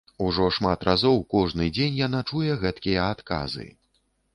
Ужо шмат разоў, кожны дзень яна чуе гэткія адказы.